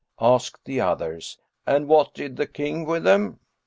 Asked the others, "And what did the King with them?"